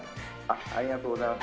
ありがとうございます。